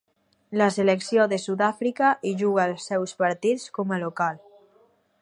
La selecció de Sud-àfrica hi juga els seus partits com a local.